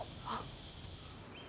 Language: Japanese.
あっ。